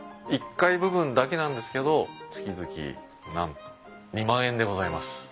１階部分だけなんですけど月々なんと２万円でございます。